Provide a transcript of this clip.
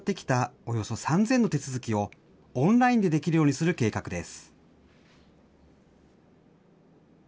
およそ３０００の手続きを、オンラインでできるようにする計画です。